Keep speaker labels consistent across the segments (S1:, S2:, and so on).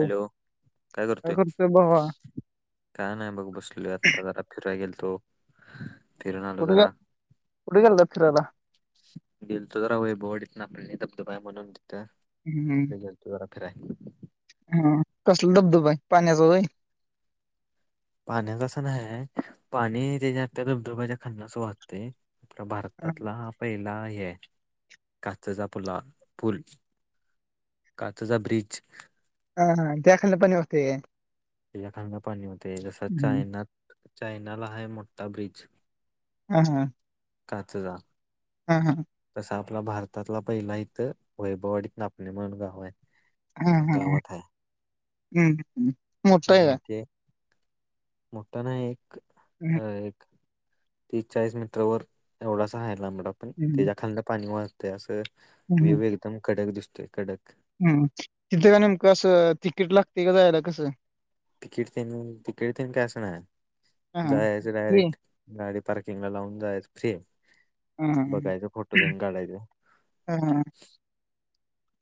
S1: Hello काय करतोय? काय नाही बघ बसलोय आता जरा फिरय गेलतो फिरून आलो
S2: कुठ गे
S1: जरा
S2: कुठ गेलता फिरायला.
S1: गेलतो जरा वैभव वाडीतन आपल्या इथ धबधबा हाय म्हणून तिथ.
S2: हम्म
S1: तो जरा फिराय
S2: हा कसलं धबधबा आहे पाण्याचं वय?
S1: पाण्याचं अंस नाही पाणी ते ज्या धबधब्याच्या खांलन अस वाहतय आपला
S2: हा
S1: भारतातलाा पहिला हे काचचा पुला पूल काचा चा ब्रिज
S2: हा हा देखल पनीणी होते आहे.
S1: खाड पाणी होते जसं
S2: हम्म,
S1: चायना चायनाला आहे मोठा ब्रिज
S2: हा हा
S1: काचा जा
S2: हा हा
S1: तसा आपला भारतातला पहिला इथं वैभवाडीत नापणे म्हणून गाव आहे.
S2: हा
S1: त्या
S2: हा
S1: गावात आहे
S2: हम्म हम्
S1: म्हणजे मोठाना एक
S2: हम्म
S1: अ एक तीस चाळीस मीटर वर एवढासा हहायला आमड पण
S2: हम्म
S1: त्याच्या खालद पाणी व ते असं व्यू एकदम कडक दिसतोय कडक.
S2: हम तिथं का नेमकं असं तिकीट लागते का जायला कसं.
S1: तिकीट तिकीटतेन काय असं नाही
S2: हा हा.
S1: जायचं
S2: हे
S1: डायरेक्ट गाडी पार्किंग ला लावून जाय फ्री
S2: हा
S1: बघायच
S2: हा
S1: फोटो देऊन काढायच.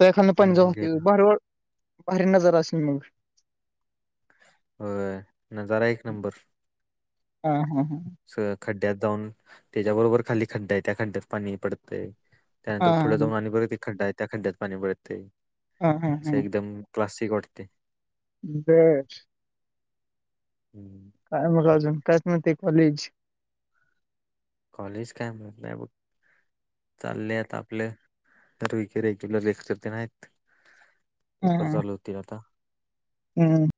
S2: तखल प जाात बार नजर असन मग
S1: अ न जरा एक नंबर.
S2: ह हा हा
S1: स खड्ड्यात जाऊन त्याच्याबरोबर खाली खड्डा आहे त्या खड्ड्यात पाणी पडतंय. त्यानंतर पुढं
S2: हा
S1: जाऊन पाणी परत एक खड्डा आहे त्या खड्ड्यात पाणी परत
S2: हा हा हा
S1: असं एकदम. क्लास वाटते
S2: बच
S1: हम्म
S2: काय मग अजून कायच नव्हते कॉलेज
S1: कॉलेज काम कर नाही अ चाललेत आपल्या तरे रेग्युलर रलेक्ते नाही आहेत. पेपर चालू होतील आता
S2: हम्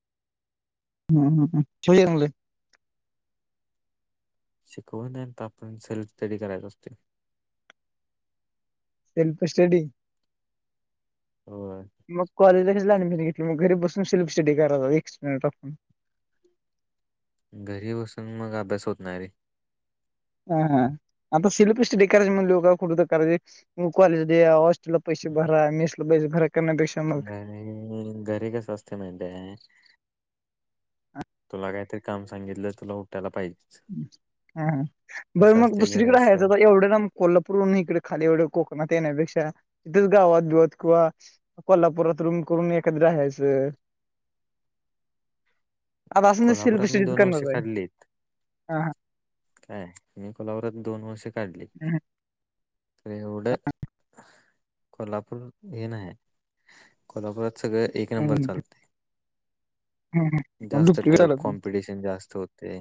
S2: हम् ह् ह आहेणले
S1: शिकव नाही तर आपण सरी तरी करायच असते.
S2: शेल्प स्टडी
S1: हो
S2: मग कॉलेजलाच लहानपणी घेतली मग घरी बसून सिलेप स्टडी करा एकक् मिनिट आपण
S1: घरी बसून मग अभ्यास होत नाही रे
S2: हा हा आता शिल्पीस डे करायज म्हण ल का कुठं तर करायजे. मग कॉलेज हॉस्टेल ला पैसे भरा मीस ला पैसे भरा करण्यापेक्षा मग
S1: घरी घरी कस असते म्हे आहे तुला काय तर काम सांगितलं तुला उटयला पाहिजे.
S2: हा बरं
S1: असं
S2: मग
S1: असते घरी
S2: दुसरीकडें ह्यायचं
S1: असल्यावर
S2: तर एवढं ना कोल्हापूर इकडे खाली व कोकणात येण्यापेक्षा तिथेच गावात बिवत किंवा कोल्हापुरात रूम करून एखाद राहायचं. आता असं नाही सेल्फ
S1: कोल्हापुरात मी
S2: स्टडीच
S1: दोन वर्षे
S2: करणार आहे.
S1: काढलीत.
S2: हा हा
S1: काय तही को्हापरातो वर्ष कढलीेढ.
S2: हम्म
S1: कोल्हापूर हे नाही कोल्हापुरात सगळं एक नंबर चालते.
S2: ह
S1: जास्त
S2: डुप्लिकेट
S1: टप
S2: झा
S1: होते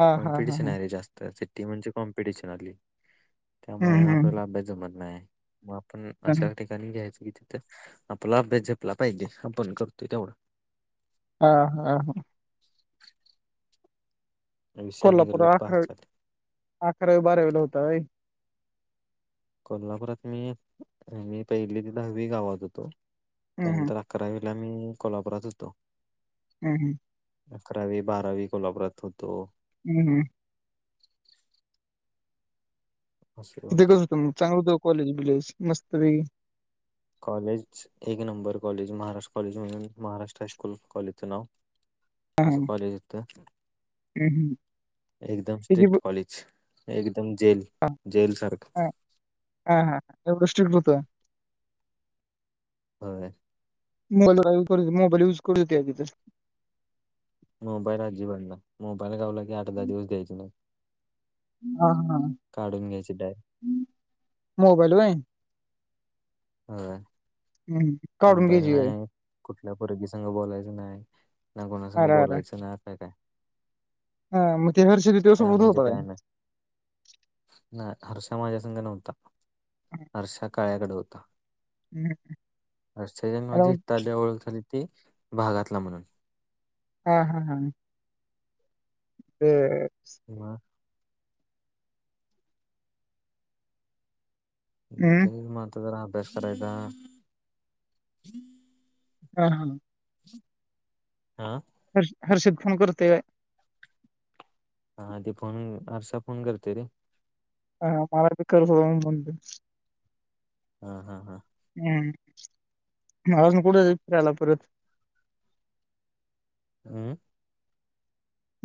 S2: हा हा हा
S1: कॉमपिटिशन
S2: हा
S1: आहे रेस्त ती म्हणजे कॉम्पिटिशन आली त्यामुळे
S2: हम्म
S1: आपल्याला अभ्यास जमत नाही आहे. मग आपण
S2: हम्म
S1: अशा ठिकाणी घ्यायचं की तिथे आपला अभ्यास झपला पाहिजे आपण करतोय तेवढा
S2: हा हा हा
S1: [inaudible] विषय
S2: कोल्हापूर
S1: निघाले पास
S2: अकरावी
S1: झाले
S2: अकरावी बारावीला होता.
S1: कोल्हापुरात मी मी पहिली ते दहावी गावात होतो.
S2: हम्म हम्म
S1: त्यानंतर अकरावीला मी कोल्हापुरात होतो.
S2: हम्म हम्म
S1: अकरावी बारावी कोल्हापुरात होतो.
S2: हम्म हम्म तिथे कसं होतं म. चांगलं होत का कॉलेज बिलेज मस्त पैकी.
S1: कॉलेज एक नंबर कॉलेज. महाराष्ट्र कॉलेज म्हणून महाराष्ट्र हायस्कूल कॉलेजचं नाव. असं कॉलेजात का?
S2: हम्म हम्म
S1: एकदम
S2: त्याची
S1: स्ट्रिक्ट
S2: ब
S1: कॉलेज. एकदम जेल जेल सारखं
S2: [unintelligible]
S1: व्हय.
S2: मोबाईल मोबाईल यूज करु देत्या तिथ.
S1: मोबाईल आजीबात नाही. मोबाईल गावला कि आठ दहा दिवसयच नाही.
S2: हा हा
S1: काढून घ्यायचे डायरेक्ट.
S2: मोबाईल व्हय.
S1: हो
S2: हम्म काढून
S1: मोबाईल
S2: घ्यायची व्हय
S1: नाही. कुठल्या परगीसंघ बोलायचं नाही. ना कोणा संग
S2: अरे अरे
S1: बोलायच नाही आता काय.
S2: हा मग ते हर्ष बी तुझ्या सोबतच होता काय?
S1: नाही हर्षा माझ्या संघ नव्हता. हर्षा काळ्याकडे होता.
S2: हम्म
S1: ह सजन
S2: अरे
S1: म्हणजे
S2: मग
S1: इथे आल्यावर ओळख झाली ती भागातला म्हणून.
S2: हा हा हा ते
S1: [unintelligible]
S2: हम्म
S1: ते मग आता जरा अभ्यास करायला.
S2: हा हा
S1: हा
S2: हर्ष हर्षद फोन करते व्हय.
S1: हा ते फोन हारशा फोन करते रे.
S2: हा मला बी करतो आधुन मधुन.
S1: हा हा
S2: हम्म म अजून कुठ फिरायला परत.
S1: हम्म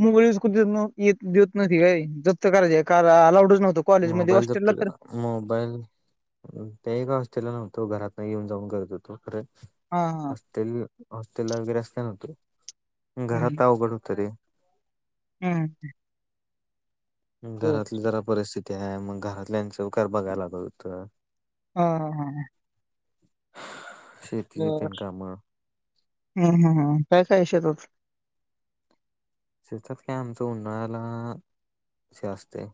S2: मुगळीस कुठ येत देत नव्हती काय जप्त करायच का अलाउडच नव्हत. कॉलेजमध्ये
S1: मोबाईल
S2: हॉस्टेलला
S1: जपते
S2: तर
S1: का मोबाईल ते एका हॉस्टेलला नव्हतो हो. घरातन येऊन जाऊन करत होतो. परत
S2: हा
S1: ते हॉस्टेला वगैरे असता ना तु घरात
S2: हम्म
S1: अवघड होतं रे.
S2: हम्म बर
S1: घरातली जरा परिस्थिती आहे. मग घरातल्याच उकार बघायला लागत होत.
S2: ह हा हा
S1: [unintelligible]
S2: बर
S1: कामं
S2: हम्म हम्म हम्म काय काय शेतात होत.
S1: शेतात काय आमचं उन्हाळ्याला असे असते.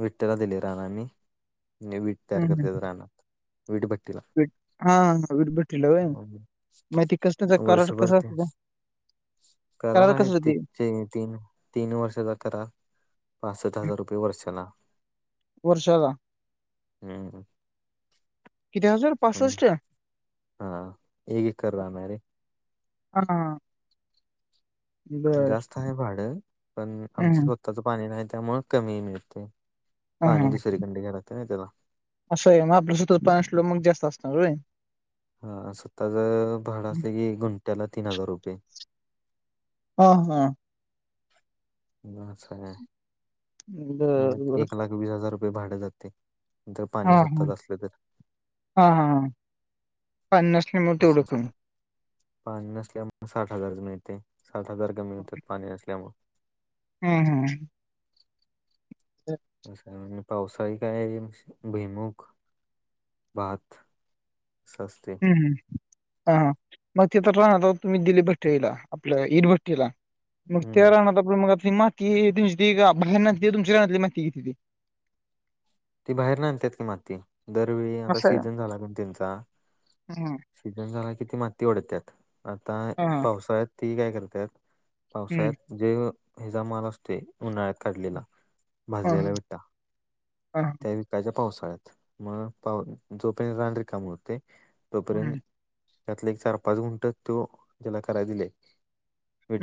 S1: विट त्याला दिले रान आणि विट तयार
S2: हम्म हम्म
S1: करत्यात रानात. वीटभट्टीला.
S2: बीट. हा वीट भट्टीला होय मग ते कसं
S1: हम्म
S2: करार
S1: वर्षभर
S2: कसं
S1: त्या
S2: असतं
S1: करा
S2: करार
S1: नाही
S2: कसं
S1: ते,
S2: होते
S1: तीन तीन वर्षचा करा पासष्ट हजार रुपये वर्षला.
S2: वर्षला.
S1: हम्म!
S2: किती हजार
S1: हम्म
S2: पासष्ट.
S1: हा एक एकर रान आहे रे.
S2: हा.. बर
S1: जास्त आहे भाडं पण आमचं
S2: हम्म
S1: स्वतःचं पाणी नाही त्यामुळे कमी मिळते.
S2: हा
S1: पाणी
S2: हा
S1: दुसरीकंडे घालात नाही त्याला.
S2: असं आहे मग आपलं सत पननास ललो मग जास्त असणार होय.
S1: हा स्वतःच भाडं
S2: हम्म.
S1: असले की गुंट्याला तीन हजार रुपये.
S2: हा, हा.
S1: बस आहे
S2: बर
S1: म
S2: बर
S1: एक लाख वीस हजार रुपये भाडे जातय. जर
S2: हा
S1: पाणी
S2: हा
S1: स्वतःच असल तर.
S2: हा हा पाणी नसल्यामुळ तेवढं
S1: असं
S2: पण
S1: पाणी नसल्यामु साठ हजारच मिळते, साठ हजार कमी होतात पाणी नसल्यामुळ.
S2: हम, हम.
S1: कशान. पावसाळी काय भिमुख, भात असं असते.
S2: हम्म हा मग ते तर राहणार तुम्ही दिले भट्टेळीला आपल्या इर भट्टेला. मग ते
S1: हम्म
S2: रानात मग आपण मातीम बाहेर तुमची राहनाली माती घेतली त
S1: ती बाहेर आणतात की माती दरवेळी आता
S2: असं आहे.
S1: सीझन झाला काण त्यांचा
S2: हम्म.
S1: सीझन झाला कि ती माती ओढतात, आता
S2: हा हा.
S1: पावसाळ्यात ती काय करतात.
S2: हम्म.
S1: पावसाळ्यात जे हिचा माल असते उन्हाळ्यात काढलेला.
S2: हा
S1: भाजलेला
S2: ह
S1: विटा
S2: हा.
S1: त्या विकाच्या पावसाळ्यात मग पा जोपर्यंत राणरी काम होते तोपर्यंत
S2: हम्म.
S1: त्यातले एक चार पाच गुंट तो त्याला करायला दिलेय.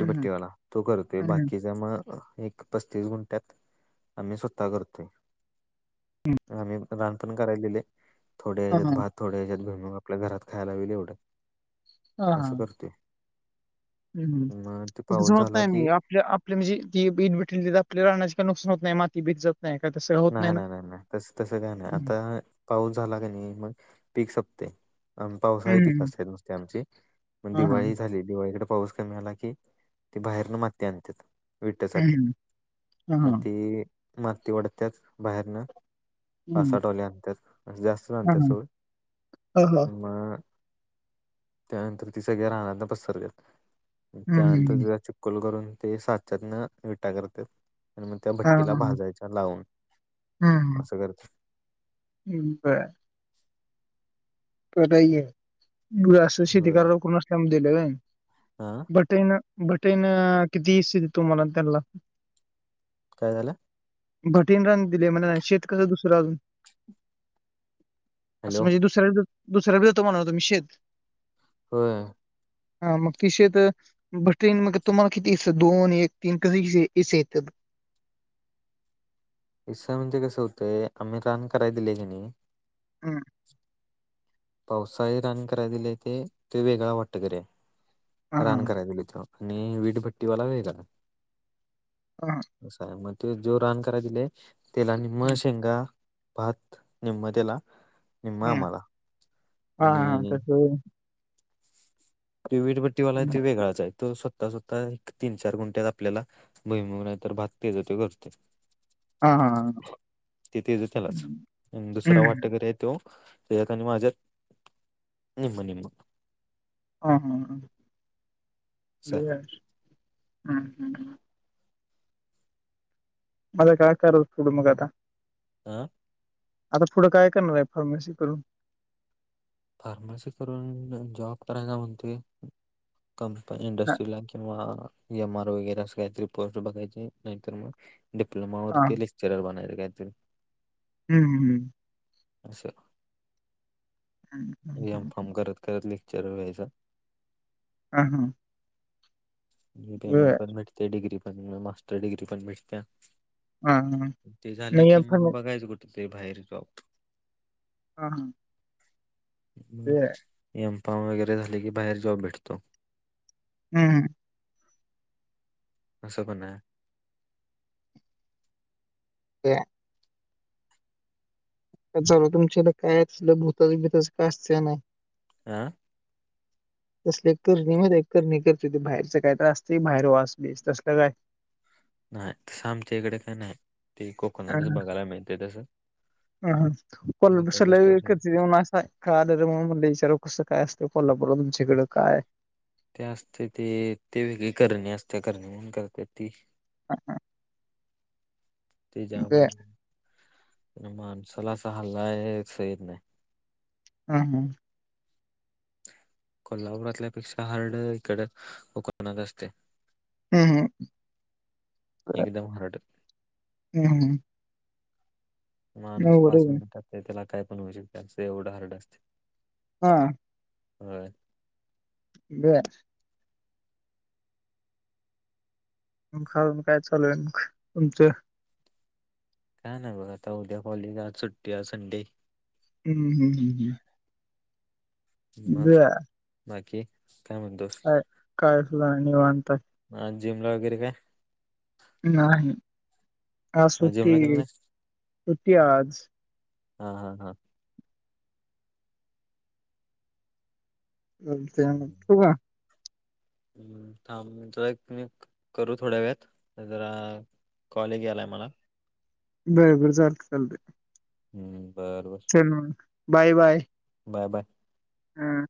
S2: हम्म.
S1: तो करतोय
S2: हम्म.
S1: बाकीचा मग एक पस्तीस गुंट्यात आम्ही स्वतः करतोय. आम्ही रान पण कराय दिले, थोडे
S2: हा
S1: ह्याच्यात
S2: हा.
S1: भात. थोड्या हच्यात भे आपल्या घरात खायला विल एवढं असं करतोय.
S2: [unintelligible]
S1: मग ते पाऊस झाला की
S2: आप आपली म्हणजे ती बीद भेटलेली तर आपल्या राहण्याचे काय नुकसान होत नाही. माती बीज ज नाही का तस.
S1: नाही नाही नाही नाही, तस तसं काय नाही आता पाऊस झाला का नाही मग पीक संपते. म पावसाही पिकक
S2: हम्म.
S1: असतात नुसते आमची मग
S2: हा हा.
S1: दिवाळी झाली दिवाळीकडे पाऊस. मिळाला की ते बाहेरन माती आणतत्यात. विठठ्यासाठी
S2: हम्म. हा
S1: मग
S2: हा.
S1: ती माती ओढतते बाहेरन.
S2: हम्म.
S1: पासाठवाले आणतात जास्त
S2: हा
S1: जातात
S2: हा.
S1: सवय.
S2: हा हा.
S1: आम. त्यानंतर ती सगळ्या राहनाना पसरात
S2: हम्म.
S1: त्यानंतर कल करून ते सातच्याातन विटा करतत्यात, आणि मग त्या
S2: हा
S1: भट्टीला
S2: हा.
S1: भाजायच्या लावून.
S2: हम्म
S1: असं करतात
S2: ह ह् बर. तर मु असं शेती
S1: होय
S2: ककण असल्या दिलं व्हय.
S1: हा.
S2: बटेन बटेन किती इ देतो मला त्यांना?
S1: काय झालं.
S2: भटिंरनी दिले म्हण ना शेत कसं दुसरं अजून. असं
S1: हॅलो
S2: म्हणजे दुसऱ्या दुसऱ्यावर होतो म्हणतो निषेध.
S1: होय.
S2: हा मग तिशेत बर ट्रेन मग तुम्हाला किती हिस्स दोन एक तीन कसे क हिस्स येतात
S1: हिस्सा म्हणजे कसं होतंय आम्ही रान कराय दिले की नाही
S2: हम्
S1: पावसाळी रान कराय दिले ते ते वेगळा वाटकरी
S2: हा
S1: हाय
S2: हा
S1: रान कराय दिलय ते आणि वीटभट्टीवाला वेगळा
S2: ह ह
S1: आहे मग ते जो रान करायला दिलेय त्याला निम्म
S2: हम्म
S1: शेंगा भात निम्म त्याला निम्म
S2: हम्म
S1: आम्हाला
S2: हा हा
S1: आणि
S2: तस होय
S1: तो वीटभट्टीवाला
S2: हं,
S1: तो वेगळाच हाय तो स् तसतर एक तीन चार गुंट्यात आपल्याला भुईमूग नाही तर भात तेज तो करतोय
S2: हा हा हा
S1: ते तेज तेलाच
S2: हम्म
S1: दुसरा वाटकरी आहे तो तेचात आणि माझ्यात निम्म निम्म
S2: हम हम ह
S1: असं आहे.
S2: ब हम् हम् म आता काय करायचं पुढं मग आता
S1: आं
S2: आता पुढं काय करणार आहे फार्मसी करून
S1: फार्मसी करून जॉब करायचा म्हणतोय कंप
S2: हा
S1: इंडस्ट्रीला किंवा एम आर वगैरे असं काहीतरी पोस्ट बघायचे नाहीतर मग डिप्लोमा
S2: हा
S1: वरती [unintelligible]
S2: हम् हम
S1: अस एमकाॅम करत करत लेक्चर वयचं
S2: ह हां
S1: मी पेमेंट पण भेटते डग्री पण मास्टर डिग्री पण भेटते ते झाले की मग बघायचं कुठे ते बाहेर जॉब
S2: हा हा
S1: एमकाॅम वगैरे झाले की बाहेर जॉब भेटतो
S2: हम् हम
S1: अस असं पण हाय
S2: [unintelligible] काय चालू हाय तुमच्याकडे तसलं काय भूत बितस काय असते नाही
S1: आह
S2: तसली एक करणी माहीताय करणी करत्याती बाहेरच कायतर आसतय बाहेर वास बीस तसलं काय
S1: नाही तसं आमच्या इकडे का नाही ते कोकणातच
S2: [unintelligible]
S1: बघायला मिळते तसं
S2: कळाले
S1: मताच्या
S2: रे
S1: स्टोर
S2: म्हणून म्हणलं विचारलो कसं काय असत कोल्हापूरला तुमच्याइकडे काय
S1: ते असते ते ते वेगळी करणे असते करणे म्हणून करते ती
S2: हा हा
S1: ते जाम माणसाला आस हालाय सहीत येत नाही
S2: हम हम
S1: कोल्हापुरातल्या पेक्षा हार्ड इकड कोकणात असतय
S2: हम् हम
S1: एकदम हार्ड
S2: हम्
S1: माणूस
S2: एवढं
S1: पाच
S2: आहे.
S1: मिनिटात ते त्याला काय पण होऊ शकते असं एवढं हरड असतय
S2: हा
S1: व्हय
S2: ब मग हा काय चालू आहे म तुमचं
S1: काय नाही बघ आता उद्या कॉलेज आ सुट्टी आ संडे
S2: हम्म हम हम् हम
S1: मग बाकी काय म्हणतोस
S2: काय कायलं आणिवता
S1: ह जिम ल वगैर काय
S2: नाही आज सुट्टी
S1: जिमला गेला नाही
S2: सुट्टी आज
S1: हा हा हा
S2: बते ठ का
S1: हम् थां जरा एक मी करू थोड्या वेळात जरा कॉलेज याला आहे मला
S2: बरोबर चालत चालते
S1: हम्म बरोबर
S2: वा बाय बाय
S1: बाय बाय
S2: हम